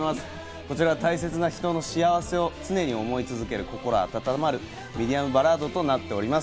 こちら、大切な人の幸せを常に想い続ける心温まるミディアムバラードとなっております。